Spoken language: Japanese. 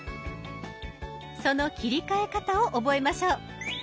その切り替え方を覚えましょう。